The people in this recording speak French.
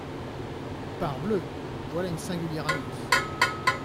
Parbleu ! voilà une singulière annonce.